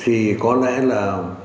thì có lẽ là